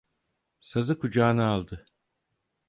Sazı kucağına aldı.